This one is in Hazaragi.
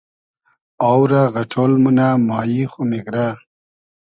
آو رۂ غئݖۉل مونۂ مایی خو میگرۂ